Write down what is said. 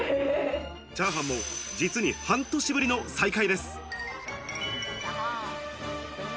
チャーハンも実に半年ぶりの再会です。